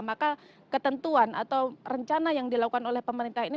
maka ketentuan atau rencana yang dilakukan oleh pemerintah ini